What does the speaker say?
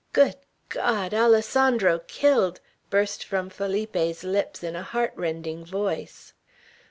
"Good God! Alessandro killed!" burst from Felipe's lips in a heart rending voice.